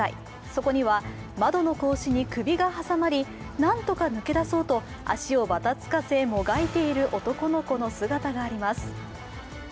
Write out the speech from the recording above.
そこには、窓の格子に首が挟まりなんとか抜け出そうと足をばたつかせ、もがいている男の子の姿があります。